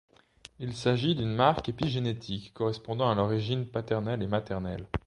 Il s’agit d’une marque épigénétique correspondant à l’origine paternelle et maternelle.